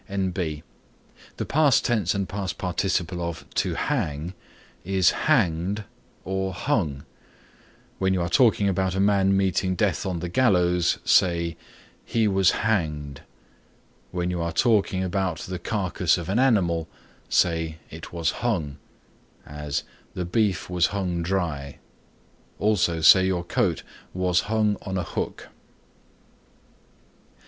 N. B. The past tense and past participle of To Hang is hanged or hung. When you are talking about a man meeting death on the gallows, say "He was hanged"; when you are talking about the carcass of an animal say, "It was hung," as "The beef was hung dry." Also say your coat "was hung on a hook."